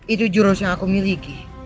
itu jurus yang aku miliki